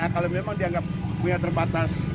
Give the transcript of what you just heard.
kalau memang dianggap punya terbatas